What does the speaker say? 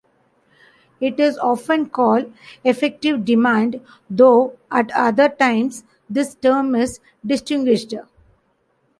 It is often called effective demand, though at other times this term is distinguished.